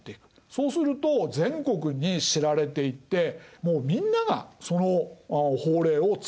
そうすると全国に知られていってもうみんながその法令を使うようになる。